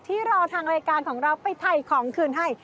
รอทางรายการของเราไปถ่ายของคืนให้